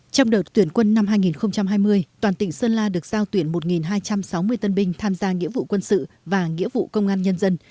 trong đợt tuyển quân năm hai nghìn hai mươi toàn tỉnh sơn la được giao tuyển một hai trăm sáu mươi tân binh tham gia nghĩa vụ quân sự và nghĩa vụ công an nhân dân